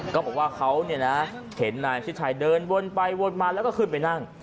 ก็บอกว่าเขาเนี่ยนะเห็นนายชิดชัยเดินวนไปวนมาแล้วก็ขึ้นไปนั่ง